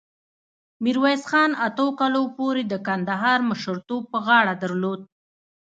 میرویس خان اتو کالو پورې د کندهار مشرتوب په غاړه درلود.